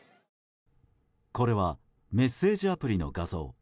これはメッセージアプリの画像。